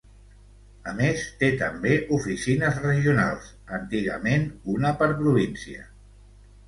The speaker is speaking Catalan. A més, té també oficines regionals, antigament una per província.